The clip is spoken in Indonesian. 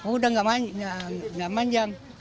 udah gak manjang